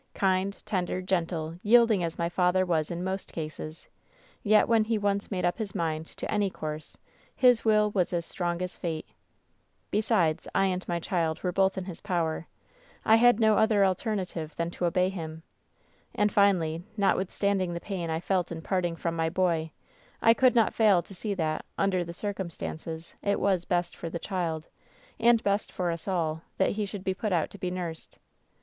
Kind, tender, gentle, yield ing as my father was in most cases, yet when he once made up his mind to any course his will was as strong as fate. Besides, I and my child were both in his power. 814 WHEN SHADOWS DIE I had no other alternative than to obey him. And, finally, notwithstanding the pain I felt in parting from my boy, I could not fail to see that, under the cir cumstances, it was best for the child, and best for us all, that he should be put out to be nursed.